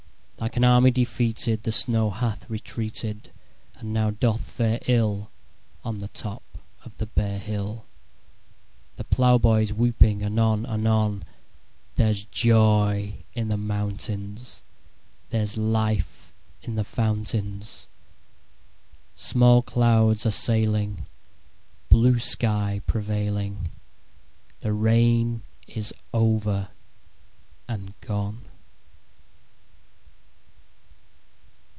Like an army defeated The snow hath retreated, And now doth fare ill On the top of the bare hill; The plowboy is whooping anon anon: There's joy in the mountains; There's life in the fountains; Small clouds are sailing, Blue sky prevailing; The rain is over and gone!